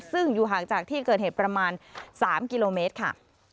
ซึ่งอยู่ห่างจากที่เกิดเหตุประมาณ๓กิโลเมตรค่ะ